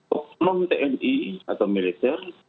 hukum tni atau militer